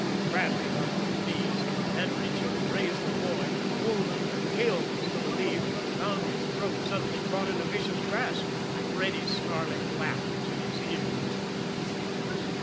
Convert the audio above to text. Bradley got to his knees, and, reaching to raise the boy, wounded or killed as he believed, found his throat suddenly caught in a vicious grasp and Reddy's snarling laugh was in his ears.